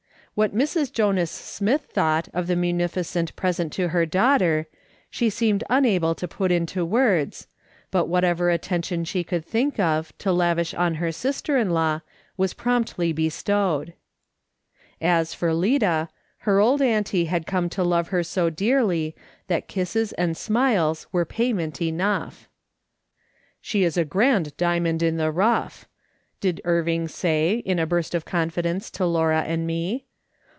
What Mrs. Jonas Smith thought of the munificent present to her daughter, she seemed unable to put into words, but whatever attention she could think of, to lavish on her sister in law, was promptly bestowed. As for Lida, her old auntie had come to love her so dearly, that kisses and smiles were payment enough. " She is a grand diamond in the rough !" did Irving say, in a burst of confidence, to Laura and me.